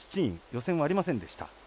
予選はありませんでした。